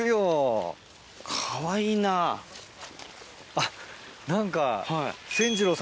あっ何か。